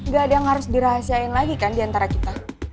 gak ada yang harus dirahasiain lagi kan diantara kita